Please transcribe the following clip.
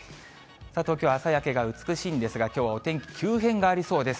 東京、朝焼けが美しいんですが、きょうはお天気急変がありそうです。